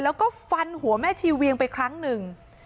แล้วก็ฟันหัวแม่ชีเวียงไปครั้งหนึ่ง